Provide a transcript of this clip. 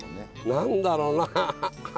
何だろうな！